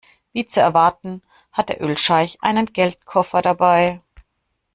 Wie zu erwarten hat der Ölscheich einen Geldkoffer dabei.